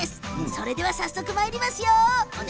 それでは早速まいりますよ。